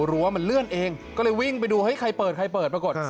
รั้วมันเลื่อนเองก็เลยวิ่งไปดูให้ใครเปิดปรากฏ